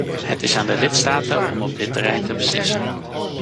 Het is aan de lidstaten om op dit terrein te beslissen.